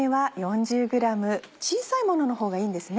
小さいもののほうがいいんですね？